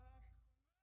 tapi kamu sudah tonja